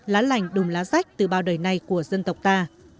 lá lành đùm lá rách từ bao đời này của dân tộc ta